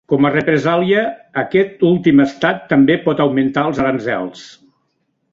Com a represàlia, aquest últim estat també pot augmentar els aranzels.